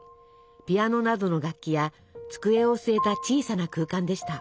ピアノなどの楽器や机を据えた小さな空間でした。